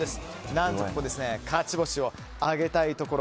何とか勝ち星を挙げたいところ。